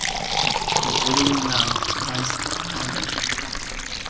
The building now stands abandoned.